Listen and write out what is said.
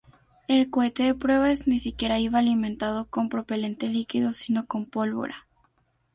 El cohete de pruebas ni siquiera iba alimentado con propelente líquido, sino con pólvora.